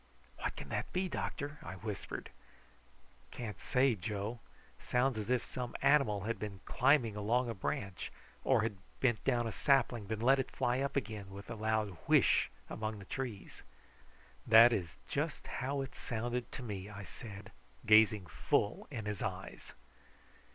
"What can that be, doctor?" I whispered. "Can't say, Joe. Sounds as if some animal had been climbing along a branch, or had bent down a sapling and then let it fly up again with a loud whish among the trees." "That is just how it sounded to me," I said, gazing full in his eyes.